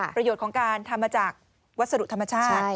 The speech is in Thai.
ประโยชน์ของการทำมาจากวัสดุธรรมชาติ